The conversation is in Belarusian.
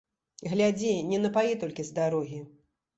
Глядзі не напаі толькі з дарогі.